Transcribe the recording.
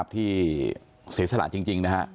ที่เสียสละจริงนะฮะ